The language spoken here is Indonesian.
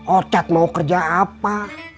ocat mau kerja apa